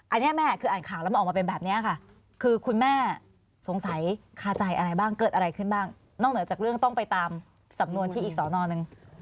อันนี้แม่คืออ่านข่าวแล้วมันออกมาเป็นแบบนี้ค่ะคือคุณแม่สงสัยคาใจอะไรบ้างเกิดอะไรขึ้นบ้างนอกเหนือจากเรื่องต้องไปตามสำนวนที่อีกสอนอหนึ่ง